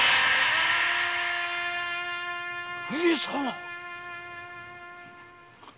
上様。